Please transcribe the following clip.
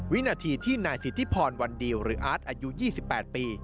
วินาทีที่นายสิทธิพรวันดิวหรืออาร์ตอายุยี่สิบแปดปี